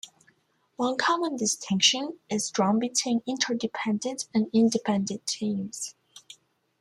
One common distinction is drawn between interdependent and independent teams.